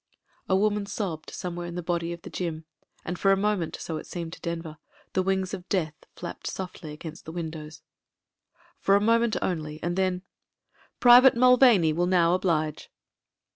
A woman sobbed somewhere in the body of the gym., and for a moment, so it seemed to Denver, the wings of Death flapped softly against the windows. For a moment only — ^and then : "Private Mulvaney will now oblige."